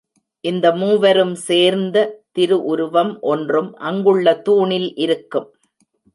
இந்த மூவரும் சேர்ந்த திரு உருவம் ஒன்றும் அங்குள்ள தூணில் இருக்கும்.